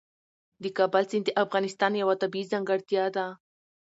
د کابل سیند د افغانستان یوه طبیعي ځانګړتیا ده.